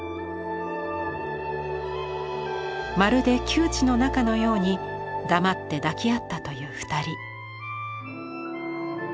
まるで旧知の仲のように黙って抱き合ったという２人。